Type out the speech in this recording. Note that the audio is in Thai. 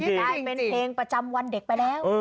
ได้เป็นเพลงประจำวันเด็กไปแล้ว